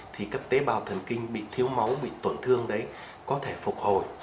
thì các tế bào thần kinh bị thiếu máu bị tổn thương đấy có thể phục hồi